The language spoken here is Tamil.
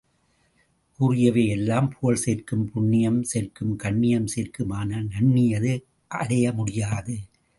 கூறியவை எல்லாம் புகழ் சேர்க்கும் புண்ணியம் சேர்க்கும் கண்ணியம் சேர்க்கும் ஆனால் நண்ணியது அடைய முடியாது.